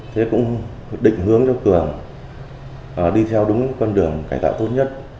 thế cũng định hướng cho cường đi theo đúng con đường cải tạo tốt nhất